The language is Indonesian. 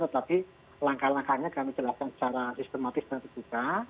tetapi langkah langkahnya kami jelaskan secara sistematis dan terbuka